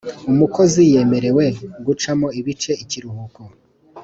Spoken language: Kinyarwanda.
Umukozi yemerewqe gucamo ibice ikiruhukoe